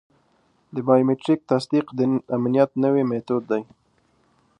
د بایومټریک تصدیق د امنیت نوی میتود دی.